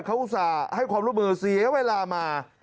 เขาอุตส่าห์ให้ความร่วมมือเสียเวลามา